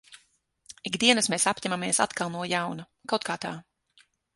Ik dienas mēs apņemamies atkal un no jauna. Kaut kā tā.